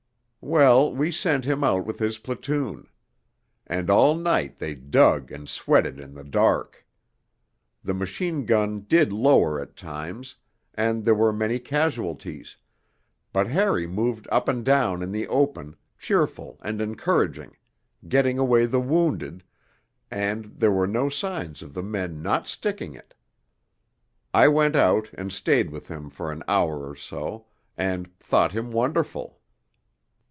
Well, we sent him out with his platoon. And all night they dug and sweated in the dark. The machine gun did lower at times, and there were many casualties, but Harry moved up and down in the open, cheerful and encouraging, getting away the wounded, and there were no signs of the men not sticking it. I went out and stayed with him for an hour or so, and thought him wonderful.